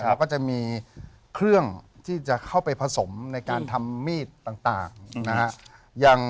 เราก็จะมีเครื่องที่จะเข้าไปผสมในการทำมีดต่างนะฮะ